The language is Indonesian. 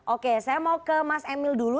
oke saya mau ke mas emil dulu